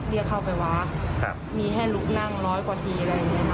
เรียกเข้าไปวัดมีให้ลุกนั่งร้อยกว่าทีอะไรอย่างนี้